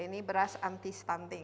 ini beras anti stunting